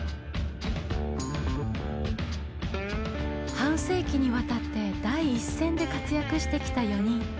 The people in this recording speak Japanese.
半世紀にわたって第一線で活躍してきた４人。